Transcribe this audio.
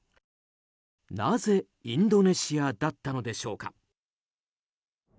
なぜ、インドネシアだったのでしょうか。